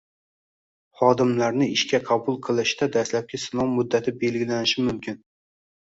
xodimlarni ishga qabul qilishda dastlabki sinov muddati belgilanishi mumkin.